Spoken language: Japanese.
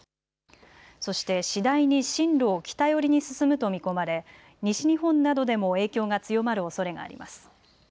そして次第に進路を北寄りに進むと見込まれ西日本などでも影響が強まるおそれがあります。